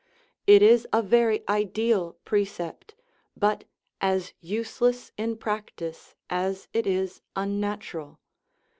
It is a very ideal precept, but as useless in practice as it is unnat ural.